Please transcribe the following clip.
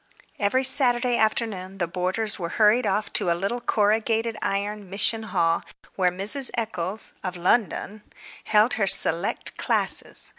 Every Saturday afternoon the boarders were hurried off to a little corrugated iron mission hall where Miss Eccles (of London) held her "select" classes.